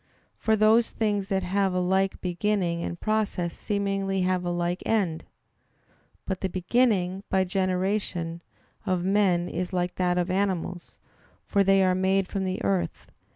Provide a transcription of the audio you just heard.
For those things that have a like beginning and process seemingly have a like end. But the beginning, by generation, of men is like that of animals, for they are made from the earth.